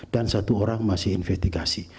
dan satu orang masih investigasi